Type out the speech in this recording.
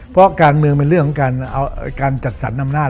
เพราะการเมืองเป็นเรื่องของการจัดสรรอำนาจ